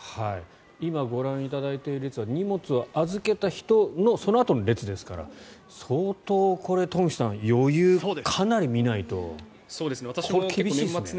今ご覧いただいている列は荷物を預けた人のそのあとの列ですから相当、トンフィさん余裕をかなり見ないと厳しいですね。